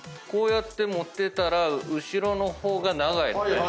こうやって持ってたら後ろの方が長いのね。